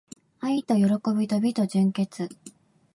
愛と喜びと美と純潔